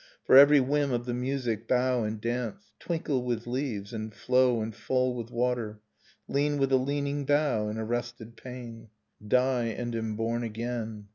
For every whim of the music bow and dance: Twinkle with leaves, and flow and fall wth water, Lean with the leaning bough in arrested pain; Die and am born again.